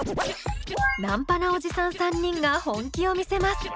ナンパなおじさん３人が本気を見せます。